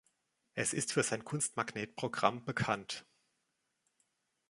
Es ist für sein Kunstmagnet-Programm bekannt.